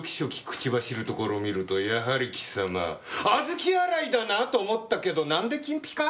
口走るところを見るとやはり貴様小豆洗いだな！と思ったけどなんで金ぴか？